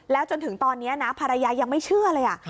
จนถึงตอนนี้นะภรรยายังไม่เชื่อเลย